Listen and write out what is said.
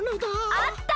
あった！